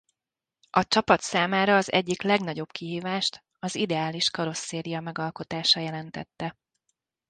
A csapat számára az egyik legnagyobb kihívást az ideális karosszéria megalkotása jelentette.